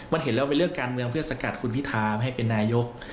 มันเห็นแล้วเป็นเรื่องการเมืองเพื่อสกัดคุณพิธาให้เป็นนายก